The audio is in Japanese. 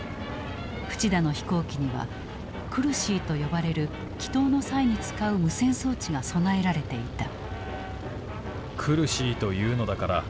淵田の飛行機にはクルシーと呼ばれる帰投の際に使う無線装置が備えられていた。